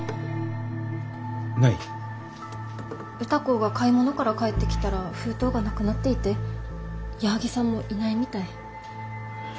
歌子が買い物から帰ってきたら封筒がなくなっていて矢作さんもいないみたい。